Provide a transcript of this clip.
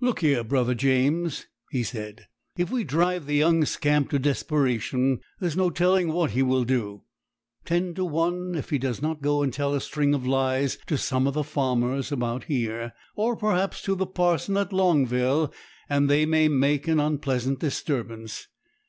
'Look here, brother James,' he said; 'if we drive the young scamp to desperation, there's no telling what he will do. Ten to one if he does not go and tell a string of lies to some of the farmers about here, or perhaps to the parson at Longville, and they may make an unpleasant disturbance.